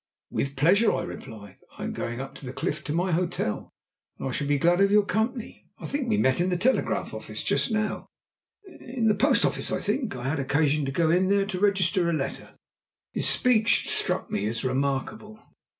"With pleasure," I replied. "I am going up the cliff to my hotel, and I shall be glad of your company. I think we met in the telegraph office just now." "In the post office, I think. I had occasion to go in there to register a letter." His speech struck me as remarkable.